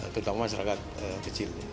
terutama masyarakat kecil